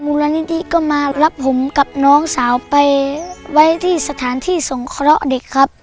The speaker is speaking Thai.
มูลนิธิก็มารับผมกับน้องสาวไปไว้ที่สถานที่สงเคราะห์เด็กครับ